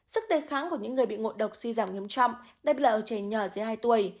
sức đề kháng của những người bị ngộ độc suy giảm nghiêm trọng đây là ở trẻ nhỏ dưới hai tuổi